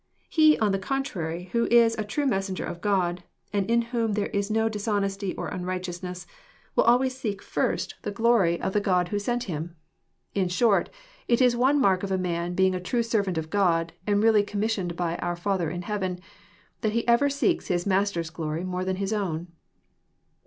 He, on the contrary, who is. a true messenger of God, and in whom there is no dishonesty or unrighteousness, will always seek first the 22 EXPOsrroBY thoughts. glory of the God who sent him. In Fhort, it is one mark of a man being a true servant of God, am] really commissioned by \ our Father in heaven, that he ever seeks his Master*s glory more than his own.